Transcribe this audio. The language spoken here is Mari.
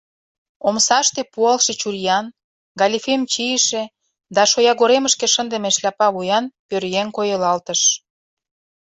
Омсаште пуалше чуриян, галифем чийыше да шоягоремышке шындыме шляпа вуян пӧръеҥ койылалтыш.